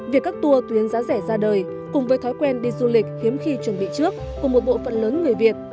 việc các tour tuyến giá rẻ ra đời cùng với thói quen đi du lịch hiếm khi chuẩn bị trước của một bộ phận lớn người việt